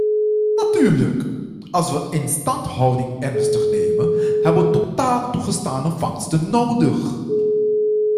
Natuurlijk, als we instandhouding ernstig nemen, hebben we totaal toegestane vangsten nodig.